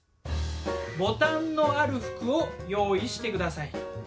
ボタンのある服を用意して下さい。